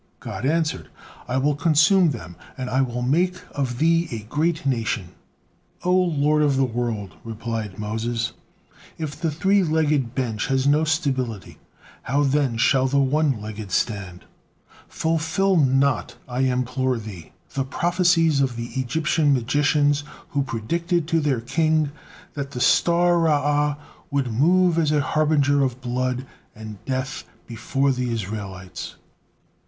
God answered: "I will consume them, and I will make of thee a great nation." "O Lord of the world!" replied Moses, "If the three legged bench has no stability, how then shall the one legged stand? Fulfil not, I implore Thee, the prophecies of the Egyptian magicians, who predicted to their king that the star 'Ra'ah' would move as a harbinger of blood and death before the Israelites."